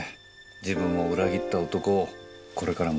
自分を裏切った男をこれからもずっと。